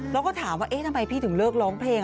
แล้วก็ถามว่าเอ๊ะทำไมพี่ถึงเลิกร้องเพลง